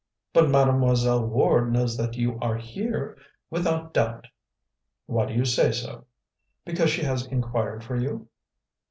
"But Mademoiselle Ward knows that you are here. Without doubt." "Why do you say so?" "Because she has inquired for you."